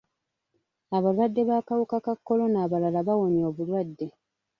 Abalwadde b'akawuka ka kolona abalala bawonye obulwadde.